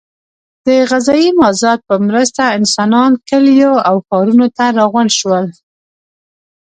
د غذایي مازاد په مرسته انسانان کلیو او ښارونو ته راغونډ شول.